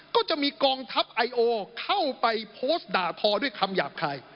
ก็จะมีกองทัพไอโอเข้าไปโพสต์ด่าทอด้วยคำหยาบคาย